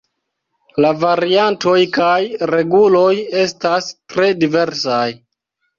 La variantoj kaj reguloj estas tre diversaj.